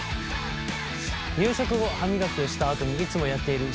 夕食後歯磨きをしたあとにいつもやっている舌磨き。